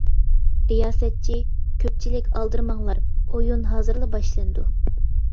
رىياسەتچى: كۆپچىلىك ئالدىرىماڭلار، ئويۇن ھازىرلا باشلىنىدۇ.